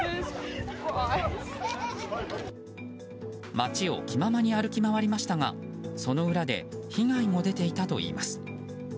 街を気ままに歩き回りましたがその裏で被害も出ていたといいます。